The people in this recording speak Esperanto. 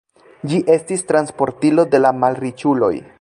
Ĝi estis transportilo de la malriĉuloj.